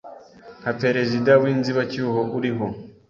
nka perezida w'inzibacyuho uriho